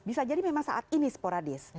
bisa jadi memang saat ini sporadis